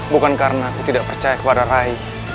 bukan karena aku tidak percaya kepada rai